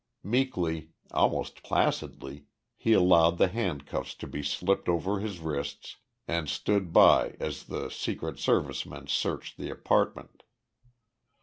Meekly, almost placidly, he allowed the handcuffs to be slipped over his wrists and stood by as the Secret Service men searched the apartment.